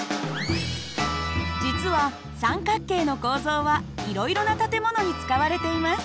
実は三角形の構造はいろいろな建物に使われています。